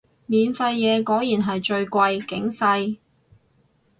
免費嘢果然係最貴，警世